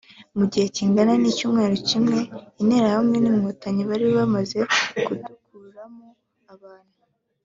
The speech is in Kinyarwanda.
mu gihe kingana n’icyumweru kimwe Interahamwe n’inkotanyi bari bamaze kudukuramo abantu